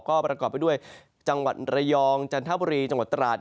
ก็ประกอบไปด้วยจังหวัดระยองจันทบุรีจังหวัดตราด